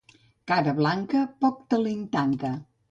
Cara blanca poc talent tanca.